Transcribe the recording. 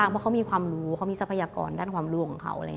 เพราะเขามีความรู้เขามีทรัพยากรด้านความรู้ของเขา